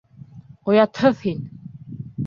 Оятһыҙ һин!